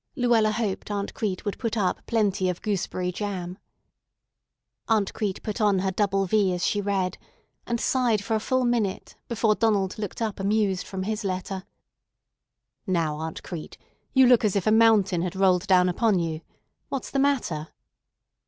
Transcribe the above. Luella hoped Aunt Crete would put up plenty of gooseberry jam. Aunt Crete put on her double V as she read, and sighed for a full minute before Donald looked up amused from his letter. "Now, Aunt Crete, you look as if a mountain had rolled down upon you. What's the matter?"